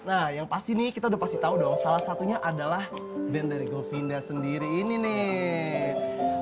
nah yang pasti nih kita udah pasti tahu dong salah satunya adalah band dari govinda sendiri ini nih